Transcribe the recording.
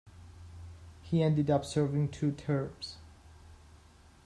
He ended up serving two terms.